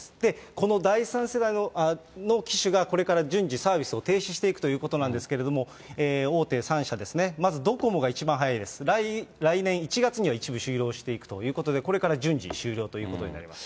この第３世代の機種がこれから順次、サービスを停止していくということなんですけれども、大手３社ですね、まずどこもがいちばんはやいです来年１月には一部終了していくということで、これから順次、終了ということになります。